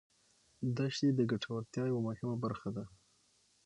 دښتې د ګټورتیا یوه مهمه برخه ده.